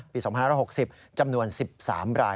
ปี๒๐๑๖จำนวน๑๓ราย